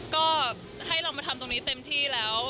ก็ให้เรามาทำตรงนี้เต็มที่แล้ว